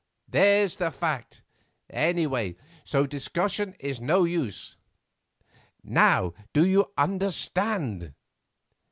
There's the fact, any way, so discussion is no use. Now do you understand?